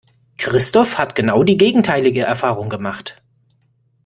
Christoph hat genau die gegenteilige Erfahrung gemacht.